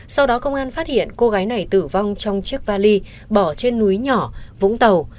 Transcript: sau đó công an phát hiện cô gái này tử vong trong chiếc vali bỏ trên núi nhỏ vũng tàu